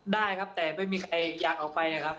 ได้ครับแต่ไม่มีใครอยากออกไปนะครับ